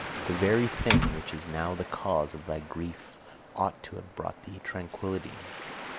The very thing which is now the cause of thy great grief ought to have brought thee tranquillity.